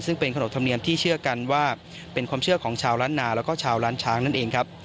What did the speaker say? ซึ่งเป็นขนบธรรมเนียมที่เชื่อกันว่าเป็นความเชื่อของชาวล้านนาแล้วก็ชาวล้านช้างนั่นเองครับ